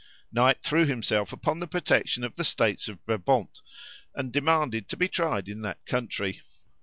Knight threw himself upon the protection of the states of Brabant, and demanded to be tried in that country.